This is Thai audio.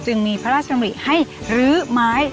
จึงมีพระราชมริให้รื้อไม้